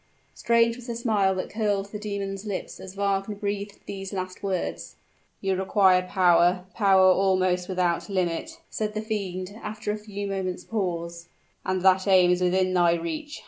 Strange was the smile that curled the demon's lips as Wagner breathed these last words. "You require power power almost without limit," said the fiend, after a few moments' pause; "and that aim is within thy reach.